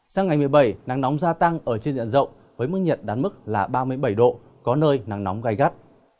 sang ngày một mươi bảy nắng nóng gia tăng ở trên diện rộng với mức nhiệt đán mức là ba mươi bảy độ có nơi nắng nóng gai gắt